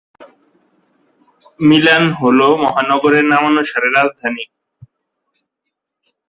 Milan হল মহানগরের নামানুসারে রাজধানী।